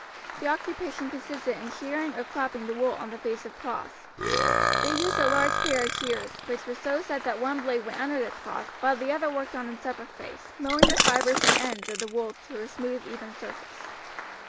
Their occupation consisted in shearing or cropping the wool on the face of cloths. They used a large pair of shears, which were so set that one blade went under the cloth while the other worked on its upper face, mowing the fibers and ends of the wool to a smooth, even surface.